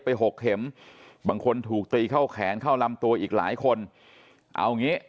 หกเข็มบางคนถูกตีเข้าแขนเข้าลำตัวอีกหลายคนเอางี้